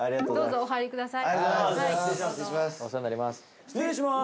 お世話になります。